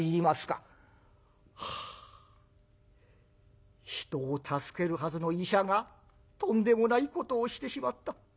「はあ人を助けるはずの医者がとんでもないことをしてしまった。